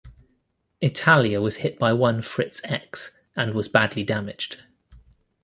"Italia" was hit by one Fritz-X and was badly damaged.